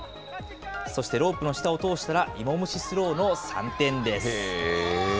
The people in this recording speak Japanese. そしてロープの下を通したら、イモムシスローの３点です。